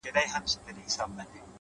هره ورځ د نوي پیل امکان لري،